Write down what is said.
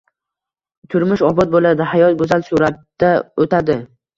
turmush obod bo‘ladi, hayot go‘zal suratda o‘tadi.